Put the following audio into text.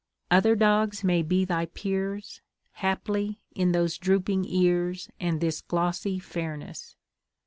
Other dogs may be thy peers, Haply, in those drooping ears, And this glossy fairness.